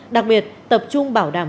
đặc biệt tập trung bảo đảm